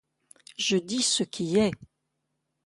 Je dis ce qui est